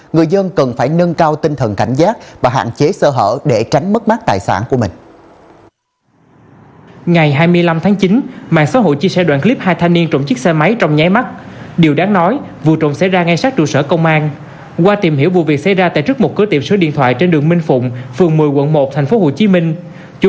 người dân cần phải nâng cao tinh thần cảnh giác và hạn chế sơ hở để tránh mất mát tài sản của mình